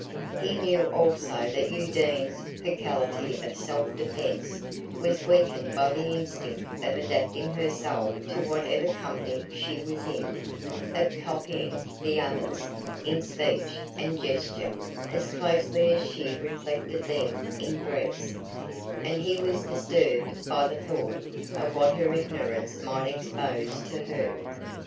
He knew also that Undine's faculty of self defense was weakened by the instinct of adapting herself to whatever company she was in, of copying "the others" in speech and gesture as closely as she reflected them in dress; and he was disturbed by the thought of what her ignorance might expose her to.